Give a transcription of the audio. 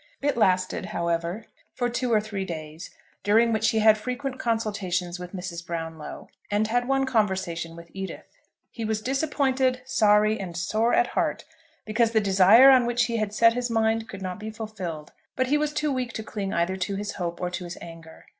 It lasted, however, for two or three days, during which he had frequent consultations with Mrs. Brownlow, and had one conversation with Edith. He was disappointed, sorry, and sore at heart because the desire on which he had set his mind could not be fulfilled; but he was too weak to cling either to his hope or to his anger.